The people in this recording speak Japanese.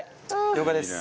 了解です。